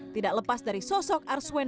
tidak lepas dari sosok arswendo